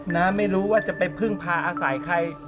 นะไม่รู้ว่าจะไปพึ่งพาอาศัยใคร